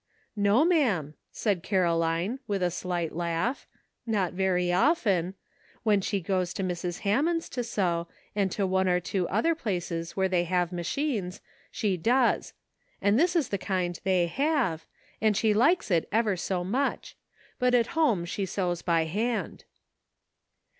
'' No, ma'am," said Caroline, with a slight laugh, "not very often. When she goes to Mrs. Hammond's to sew, and to one or two other places where they have machines, she does ; and this is the kind they have, and she likes it ever so much ; but at home she sews by hand."